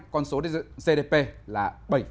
còn số gdp là bảy hai